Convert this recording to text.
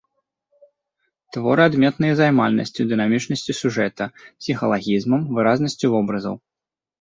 Творы адметныя займальнасцю, дынамічнасцю сюжэта, псіхалагізмам, выразнасцю вобразаў.